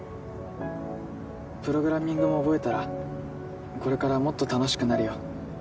プログラミングも覚えたらこれからもっと楽しくなるよ。